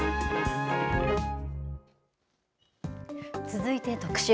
続いて特集。